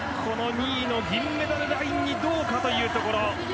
２位の銀メダルラインにどうかというところ。